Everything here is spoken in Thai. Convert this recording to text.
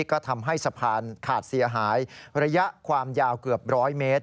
ก็ทำให้สะพานขาดเสียหายระยะความยาวเกือบร้อยเมตร